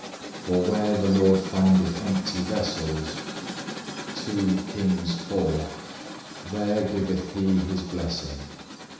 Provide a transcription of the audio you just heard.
For where the Lord findeth empty vessels,(1) there giveth He His blessing.